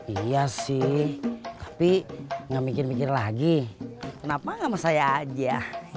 iya sih tapi gak mikir mikir lagi kenapa sama saya aja